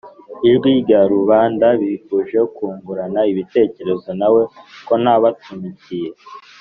Ijwi Rya Rubanda bifuje kwungurana ibitekerezo nawe ko nabatumikiye,